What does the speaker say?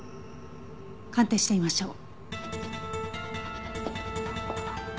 鑑定してみましょう。